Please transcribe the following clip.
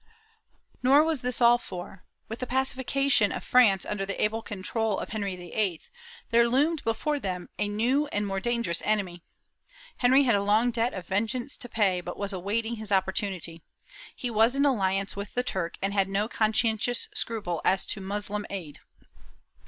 ^ Nor was this all for, with the pacification of France under the able control of Henry IV, there loomed before them a new and more dangerous enemy, Henry had a long debt of vengeance to pay, and was but awaiting his opportunity. He was in alliance with the Turk and had no conscientious scruple as to Moslem aid.